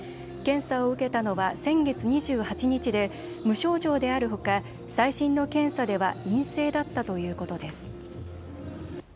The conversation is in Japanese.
検査を受けたのは先月２８日で無症状であるほか最新の検査では陰性だったということです。